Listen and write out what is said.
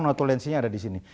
notulensinya ada di sini